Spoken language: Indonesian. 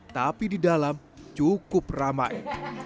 tapi di dalam cukup ramai